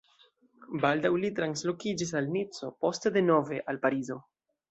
Baldaŭ li translokiĝis al Nico, poste denove al Parizo.